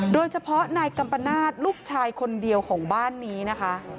นายกัมปนาศลูกชายคนเดียวของบ้านนี้นะคะ